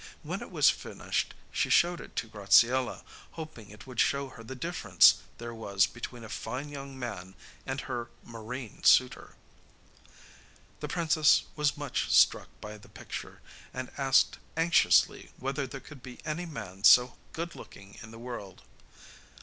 When it was finished she showed it to Graziella, hoping it would show her the difference there was between a fine young man and her marine suitor. The princess was much struck by the picture, and asked anxiously whether there could be any man so good looking in the world.